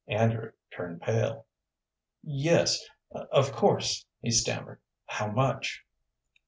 Andrew turned pale. "Yes, of course," he stammered. "How much?"